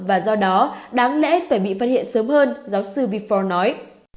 và do đó đáng lẽ phải bị phát hiện sớm hơn giáo sư bifor nói